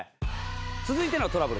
続いてのトラブル